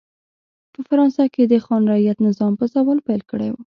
په فرانسه کې د خان رعیت نظام په زوال پیل کړی و.